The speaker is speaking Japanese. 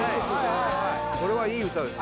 これはいい歌です